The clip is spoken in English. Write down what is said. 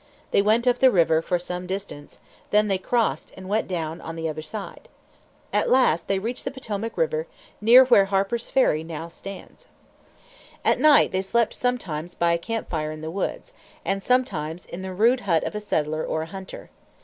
They went up the river for some distance; then they crossed and went down on the other side. At last they reached the Potomac River, near where Harper's Ferry now stands. At night they slept sometimes by a camp fire in the woods, and sometimes in the rude hut of a settler or a hunter.